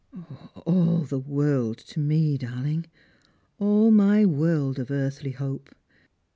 "" All the world to me, darling ; all my world of earthly hope.